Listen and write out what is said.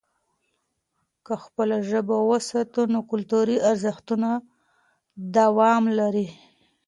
که خپله ژبه وساتو، نو کلتوري ارزښتونه تداوم لري.